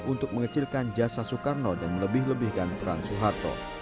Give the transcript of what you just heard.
untuk mengecilkan jasa soekarno dan melebih lebihkan peran soeharto